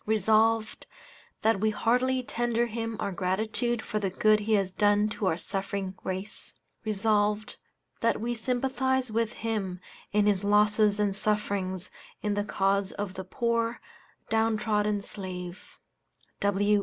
Resolved, That we heartily tender him our gratitude for the good he has done to our suffering race. Resolved, That we sympathize with him in his losses and sufferings in the cause of the poor, down trodden slave.